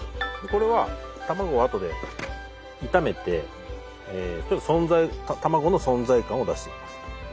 これは卵をあとで炒めてちょっと存在卵の存在感を出していきます。